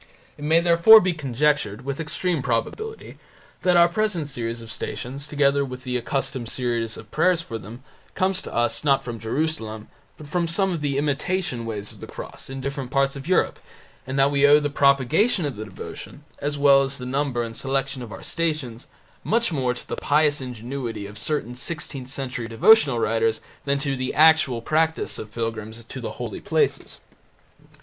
It may therefore be conjectured, with extreme probability, that our present series of Stations, together with the accustomed series of prayers for them, comes to us, not from Jerusalem, but from some of the imitation Ways of the Cross in different parts of Europe, and that we owe the propagation of the devotion, as well as the number and selection of our Stations, much more to the pious ingenuity of certain sixteenth century devotional writers than to the actual practice of pilgrims to the holy places.